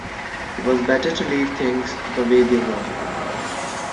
It was better to leave things the way they were.